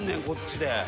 こっちで。